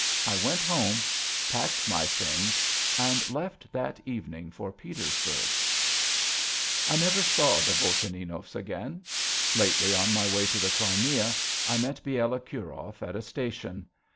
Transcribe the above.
I went home, packed my things, and left that evening for Petersburg. I never saw the Volchaninovs again. Lately on my way to the Crimea I met Bielokurov at a station.